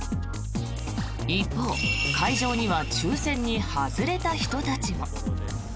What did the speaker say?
一方、会場には抽選に外れた人たちも。